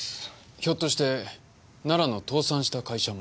ひょっとして奈良の倒産した会社も。